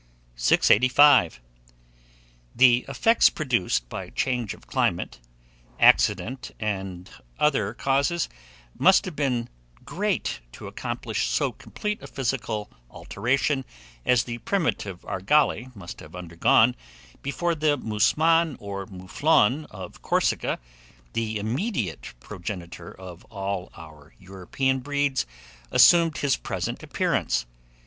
685. THE EFFECTS PRODUCED BY CHANGE OF CLIMATE, accident, and other causes, must have been great to accomplish so complete a physical alteration as the primitive Argali must have undergone before the Musmon, or Mouflon of Corsica, the immediate progenitor of all our European breeds, assumed his present appearance.